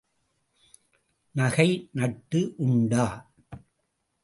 நகை நட்டு உண்டா?